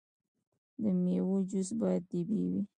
د میوو جوس باید طبیعي وي.